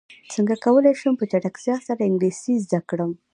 څنګه کولی شم په چټکۍ سره انګلیسي زده کړم